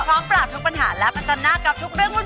พร้อมปราบทุกปัญหาและประจันหน้ากับทุกเรื่องวุ่น